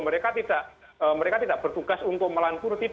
mereka tidak bertugas untuk melawan buruh